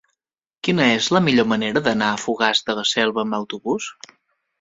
Quina és la millor manera d'anar a Fogars de la Selva amb autobús?